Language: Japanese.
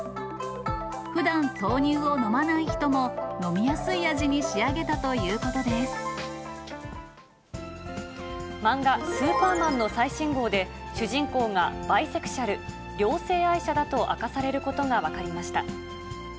ふだん豆乳を飲まない人も、飲みやすい味に仕上げたというこ漫画、スーパーマンの最新号で、主人公がバイセクシャル・両性愛者だと明かされることが分かりました。